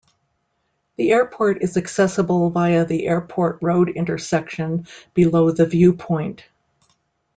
The airport is accessible via the Airport Road intersection below the viewpoint.